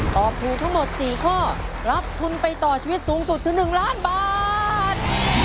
ตอบถูกทั้งหมด๔ข้อรับทุนไปต่อชีวิตสูงสุดถึง๑ล้านบาท